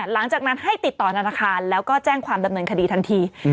หลังจากนั้นให้ติดต่อธนาคารแล้วก็แจ้งความดำเนินคดีทันที